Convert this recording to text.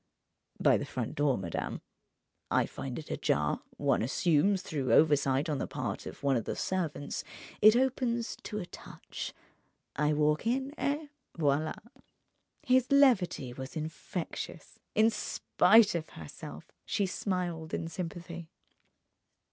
"By the front door, madame. I find it ajar—one assumes, through oversight on the part of one of the servants—it opens to a touch, I walk in—et voila!" His levity was infectious. In spite of herself, she smiled in sympathy.